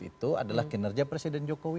itu adalah kinerja presiden jokowi